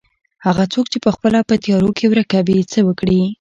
هغه څوک چې پخپله په تيارو کې ورکه وي څه وکړي.